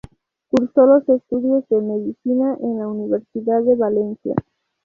Curso los estudios de Medicina en la Universidad de Valencia.